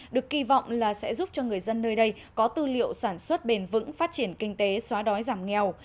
được kỳ vọng là sẽ giúp cho người dân nơi đây có tư liệu sản xuất bền vững phát triển kinh tế xóa đói giảm nghèo